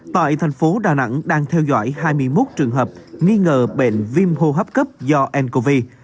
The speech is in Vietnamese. tại thành phố đà nẵng đang theo dõi hai mươi một trường hợp nghi ngờ bệnh viêm hô hấp cấp do ncov